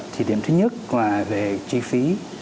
thì điểm thứ nhất là về chi phí